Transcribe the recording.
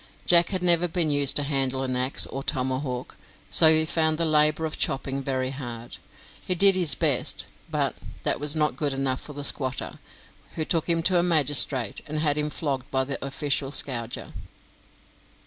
Jack had never been used to handle an axe or tomahawk, so he found the labour of chopping very hard. He did his best, but that was not good enough for the squatter, who took him to a magistrate, and had him flogged by the official scourger.